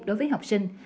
đối với học sinh